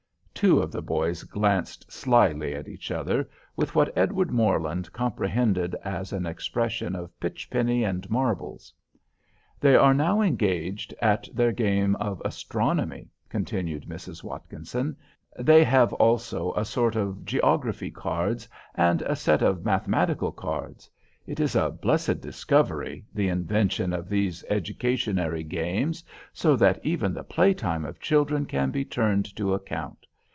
Two of the boys glanced slyly at each other, with what Edward Morland comprehended as an expression of pitch penny and marbles. "They are now engaged at their game of astronomy," continued Mrs. Watkinson. "They have also a sort of geography cards, and a set of mathematical cards. It is a blessed discovery, the invention of these educationary games; so that even the play time of children can be turned to account.